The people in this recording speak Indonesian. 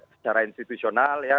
secara institusional ya